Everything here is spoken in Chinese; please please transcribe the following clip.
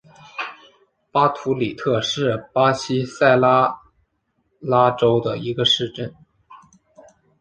巴图里特是巴西塞阿拉州的一个市镇。